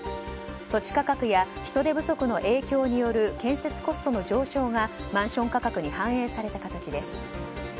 土地価格や人手不足の影響による建設コストの上昇がマンション価格に反映された形です。